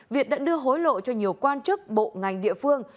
việt đã đưa hối lộ cho nhiều quan chức bộ ngành địa phương